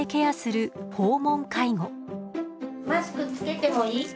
マスクつけてもいい？